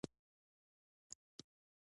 د ماشوم دوه سرونه او په هر سر کې.